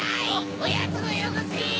おやつをよこせ！